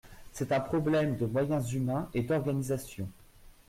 C’est un problème de moyens humains et d’organisation.